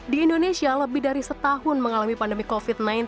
di indonesia lebih dari setahun mengalami pandemi covid sembilan belas